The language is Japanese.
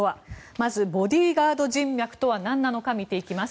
まず、ボディーガード人脈とはなんなのか見ていきます。